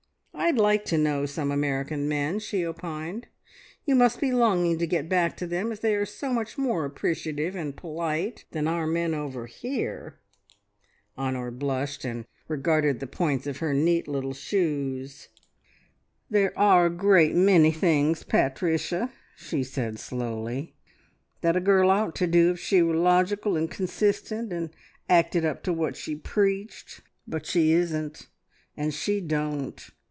"I'd like to know some American men," she opined. "You must be longing to get back to them, as they are so much more appreciative and polite than our men over here!" Honor blushed, and regarded the points of her neat little shoes. "There are a great many things, Pat ricia," she said slowly, "that a girl ought to do if she were logical, and consistent, and acted up to what she preached. But she isn't, and she don't.